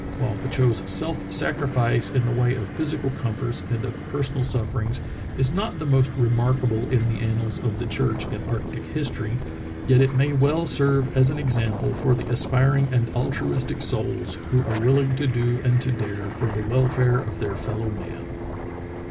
While Petitot's self sacrifice, in the way of physical comforts and of personal sufferings, is not the most remarkable in the annals of the church in arctic history, yet it may well serve as an example for the aspiring and altruistic souls who are willing to do and to dare for the welfare of their fellow man.